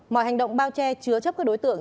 mọi hành động bao che chứa chấp các đối tượng